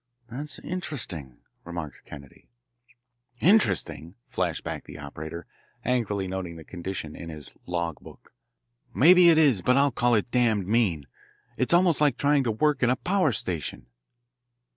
"That's interesting," remarked Kennedy. "Interesting?" flashed back the operator, angrily noting the condition in his "log book." "Maybe it is, but I call it darned mean. It's almost like trying to work in a power station."